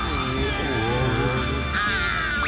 ああ